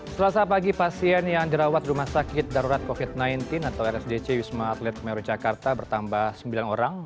selasa pagi pasien yang dirawat rumah sakit darurat covid sembilan belas atau rsdc wisma atlet mero jakarta bertambah sembilan orang